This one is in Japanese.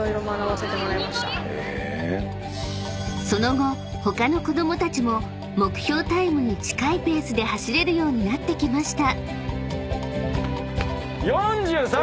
［その後他の子供たちも目標タイムに近いペースで走れるようになってきました］